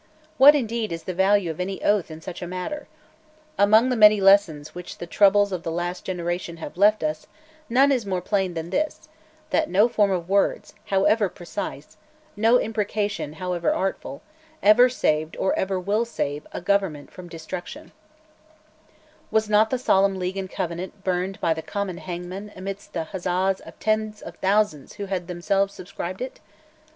What indeed is the value of any oath in such a matter? Among the many lessons which the troubles of the last generation have left us none is more plain than this, that no form of words, however precise, no imprecation, however awful, ever saved, or ever will save, a government from destruction, Was not the Solemn League and Covenant burned by the common hangman amidst the huzzas of tens of thousands who had themselves subscribed it?